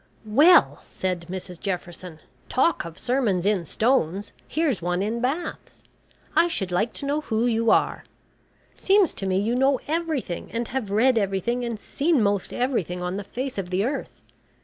"Well," said Mrs Jefferson, "talk of sermons in stones! Here's one in baths! I should like to know who you are. Seems to me you know everything, and have read everything, and seen most everything on the face of the earth.